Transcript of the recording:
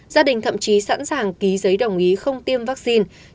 gia đình thậm chí sẵn sàng ký giấy đồng ý không tiêm vaccine